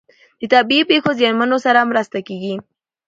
د طبیعي پیښو زیانمنو سره مرسته کیږي.